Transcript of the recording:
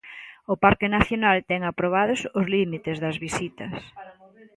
O Parque Nacional ten aprobados os límites das visitas.